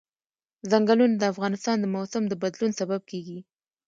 ځنګلونه د افغانستان د موسم د بدلون سبب کېږي.